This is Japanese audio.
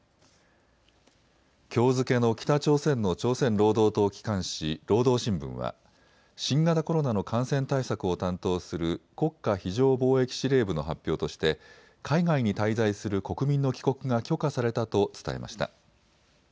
きょう付けの北朝鮮の朝鮮労働党機関紙、労働新聞は新型コロナの感染対策を担当する国家非常防疫司令部の発表として海外に滞在する国民の帰国が許可されたと伝えました。